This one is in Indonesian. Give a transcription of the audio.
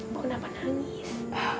ibu kenapa nangis